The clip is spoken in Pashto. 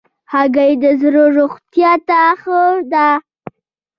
هګۍ د زړه روغتیا ته ښه ده.